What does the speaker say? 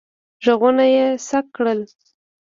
غوږونه یې څک کړل.